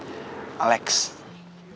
orang itu harus ditegur dulu